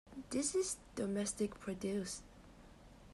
This is domestic produce.